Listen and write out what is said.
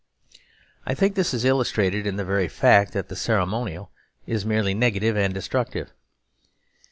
I think this is illustrated in the very fact that the ceremonial is merely negative and destructive.